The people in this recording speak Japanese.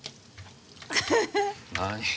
何？